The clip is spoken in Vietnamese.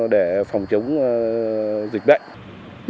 để phòng chống dịch bệnh